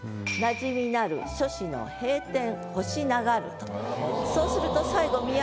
「馴染みなる書肆の閉店星流る」と。